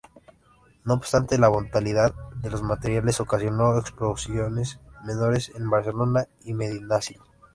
No obstante, la volatilidad de los materiales ocasionó explosiones menores en Barcelona y Medinaceli.